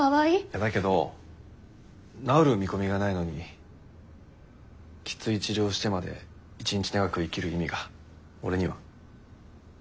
だけど治る見込みがないのにきつい治療してまで一日長く生きる意味が俺には。